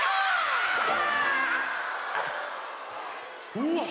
うわっ！